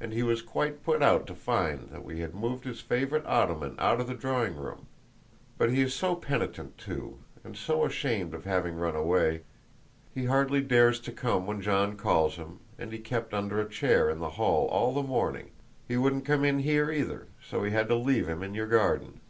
And he was quite put out to find that we had moved his favourite ottoman out of the drawing room. But he is so penitent too, and so ashamed of having run away; he kept under a chair in the hall all the morning; he wouldn't come in here, either, so we had to leave him in your garden."